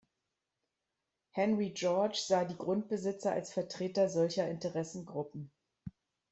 Henry George sah die Grundbesitzer als Vertreter solcher Interessengruppen.